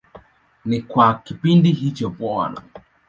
Na kwa kipindi hicho Bw.